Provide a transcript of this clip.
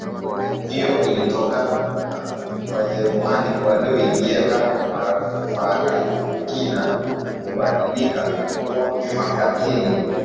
Hiyo ilitokana na Wajerumani walioingia kama marafikina kubadilika kuwa makatiili